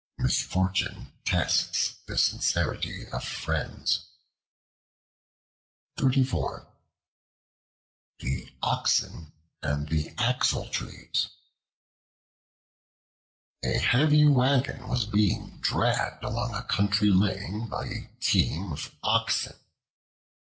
Misfortune tests the sincerity of friends. The Oxen and the Axle Trees A HEAVY WAGON was being dragged along a country lane by a team of Oxen.